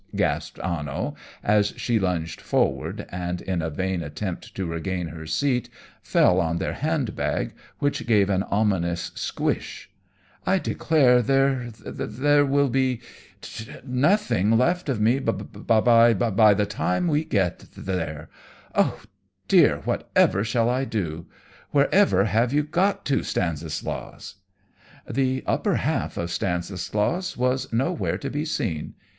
gasped Anno, as she lunged forward, and in a vain attempt to regain her seat fell on their handbag, which gave an ominous squish. "I declare there there will be nothing left of me by the by the time we get there. Oh dear! Whatever shall I do? Wherever have you got to, Stanislaus?" The upper half of Stanislaus was nowhere to be seen!